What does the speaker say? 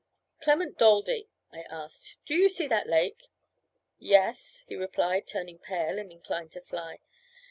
"Clement Daldy," I asked, "do you see that lake?" "Yes," he replied, turning pale, and inclined to fly.